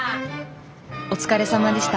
お疲れさまでした。